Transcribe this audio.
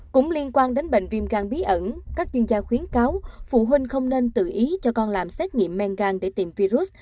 cũng liên quan đến bệnh viêm gan bí ẩn các chuyên gia khuyến cáo phụ huynh không nên tự ý cho con làm xét nghiệm men gan để tìm virus